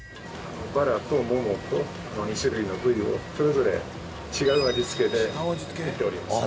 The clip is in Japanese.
バラとモモと２種類の部位をそれぞれ違う味付けで作っております。